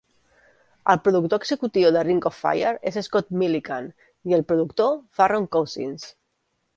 El productor executiu de "Ring of Fire" és Scott Millican, i el productor Farron Cousins.